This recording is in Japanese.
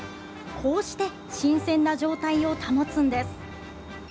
こうして、新鮮な状態を保つんです。